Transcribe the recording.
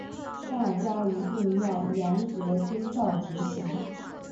大家一定要严格遵照执行